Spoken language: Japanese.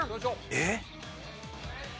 えっ？